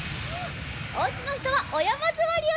おうちのひとはおやまずわりをしてください。